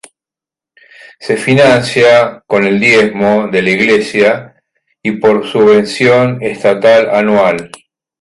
Se financia con el diezmo de la Iglesia y por subvención estatal anual.